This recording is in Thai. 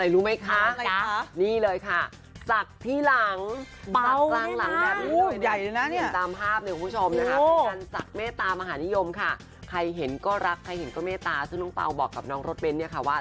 ซึ่งน้องปังบอกกับน้องรถเบนค่ะว่า